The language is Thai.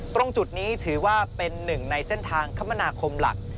ตรงจุดนี้ถือว่าเป็นหนึ่งในเส้นทางคมนาคมหลัก